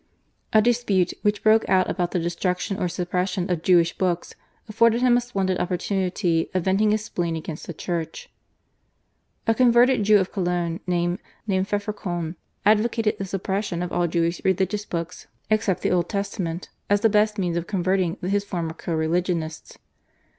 A dispute, which broke out about the destruction or suppression of Jewish books, afforded him a splendid opportunity of venting his spleen against the Church. A converted Jew of Cologne named Pfefferkorn advocated the suppression of all Jewish religious books except the Old Testament, as the best means of converting his former co religionists.